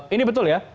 ini betul ya